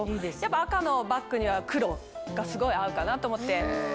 赤のバッグには黒がすごい合うかなと思って。